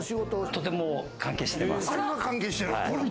とても関係しています。